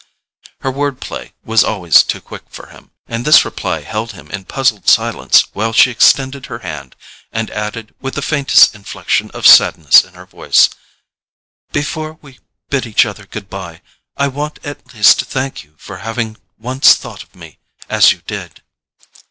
Her word play was always too quick for him, and this reply held him in puzzled silence while she extended her hand and added, with the faintest inflection of sadness in her voice: "Before we bid each other goodbye, I want at least to thank you for having once thought of me as you did."